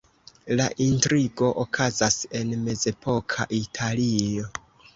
La intrigo okazas en mezepoka Italio.